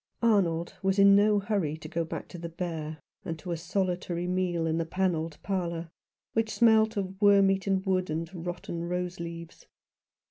Arnold was in no hurry to go back to the Bear and to a solitary meal in the panelled parlour, which smelt of wormeaten wood and rotten rose leaves.